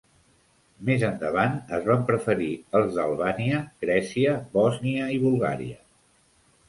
Més endavant, es van preferir els d'Albània, Grècia, Bòsnia i Bulgària.